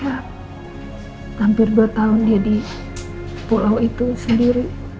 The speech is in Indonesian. hampir dua tahun dia di pulau itu sendiri